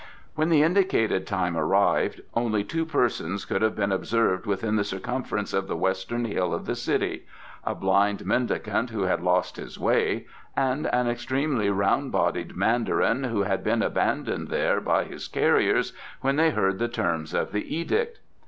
When the indicated time arrived, only two persons could have been observed within the circumference of the Western Hill of the city a blind mendicant who had lost his way and an extremely round bodied mandarin who had been abandoned there by his carriers when they heard the terms of the edict.